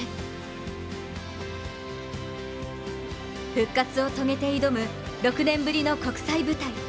復活を遂げて挑む６年ぶりの国際舞台。